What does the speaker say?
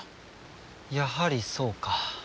やはりそうか。